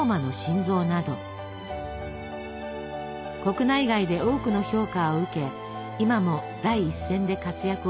国内外で多くの評価を受け今も第一線で活躍を続けています。